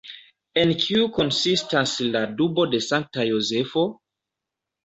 En kiu konsistas ‘’’la dubo de Sankta Jozefo’’’?